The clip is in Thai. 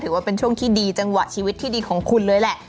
ถือว่าเป็นช่วงที่ดีจังหวะชีวิตที่ดีของคุณเลยแหละ